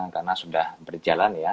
karena sudah berjalan ya